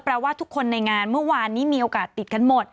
ว่าทุกคนในงานเมื่อวานนี้มีโอกาสติดกันหมด